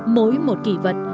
mỗi một kỷ vật